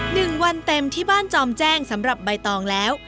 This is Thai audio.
หนึ่งวันเต็มที่บ้านจอมแจ้งสำหรับใบตองแล้ว